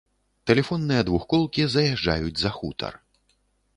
Тэлефонныя двухколкі заязджаюць за хутар.